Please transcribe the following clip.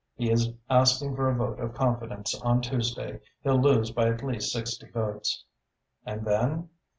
He is asking for a vote of confidence on Tuesday. He'll lose by at least sixty votes." "And then?"